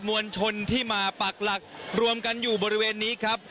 มวลชนที่มาปักหลักรวมกันอยู่บริเวณนี้ครับ